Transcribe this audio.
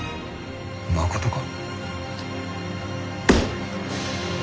まことか？